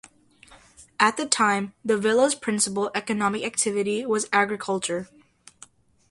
At the time, the villa's principal economic activity was agriculture.